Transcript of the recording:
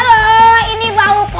saya ini menghati abang bule serege